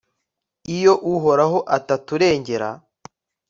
iyo uhoraho ataturengera